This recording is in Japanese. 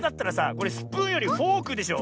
これスプーンよりフォークでしょ。